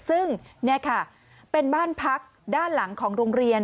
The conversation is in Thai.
ซึ่งนี่ค่ะเป็นบ้านพักด้านหลังของโรงเรียน